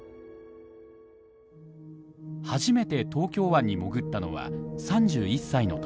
初めて東京湾に潜ったのは３１歳の時。